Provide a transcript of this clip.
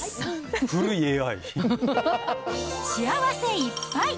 幸せいっぱい！